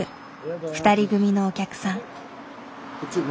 ２人組のお客さん。